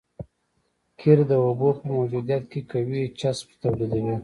قیر د اوبو په موجودیت کې قوي چسپش تولیدوي